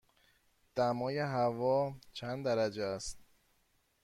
دمای هوا چند درجه است؟